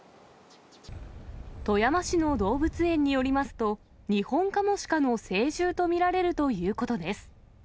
富山市の動物園によりますと、ニホンカモシカの成獣と見られるということです。